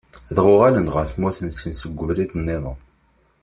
Dɣa uɣalen ɣer tmurt-nsen seg ubrid-nniḍen.